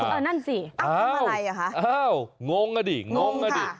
เออนั่นสิตั้งคำอะไรหรือคะอ้าวงงอ่ะดิงงอ่ะดิ